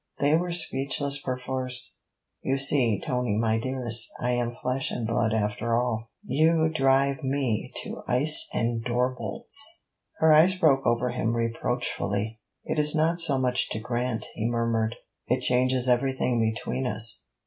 They were speechless perforce. 'You see, Tony, my dearest, I am flesh and blood after all.' 'You drive me to be ice and door bolts!' Her eyes broke over him reproachfully. 'It is not so much to grant,' he murmured. 'It changes everything between us.'